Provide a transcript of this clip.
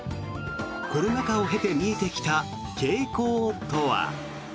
コロナ禍を経て見えてきた傾向とは。